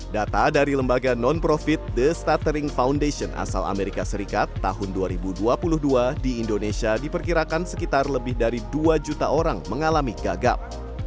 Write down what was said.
data dari lembaga non profit the statering foundation asal amerika serikat tahun dua ribu dua puluh dua di indonesia diperkirakan sekitar lebih dari dua juta orang mengalami gagap